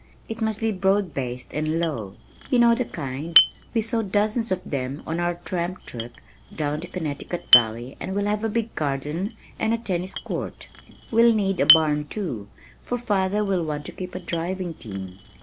"It must be broad based and low you know the kind, we saw dozens of them on our tramp trip down the Connecticut Valley and we'll have a big garden and a tennis court. We'll need a barn, too, for father will want to keep a driving team.